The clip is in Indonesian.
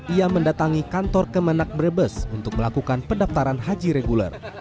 ia mendatangi kantor kemenak brebes untuk melakukan pendaftaran haji reguler